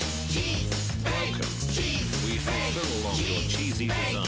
チーズ！